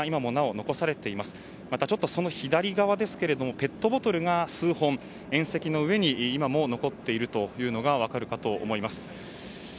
またちょっとその左側ですがペットボトルが数本縁石の上に今も残っているというのが分かると思います。